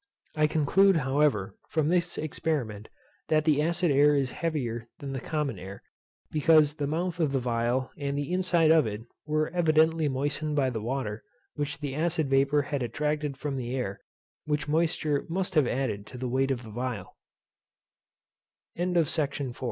I conclude, however, from this experiment, that the acid air is heavier than the common air, because the mouth of the phial and the inside of it were evidently moistened by the water which the acid vapour had attracted from the air, which moisture must have added to the weigh